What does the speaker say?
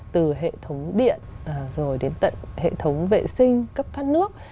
từ hệ thống điện rồi đến tận hệ thống vệ sinh cấp thoát nước